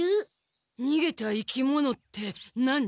にげた生き物って何？